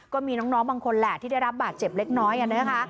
ก็มีน้องบางคนแหละที่ได้รับบาดเจ็บเล็กน้อยนะคะ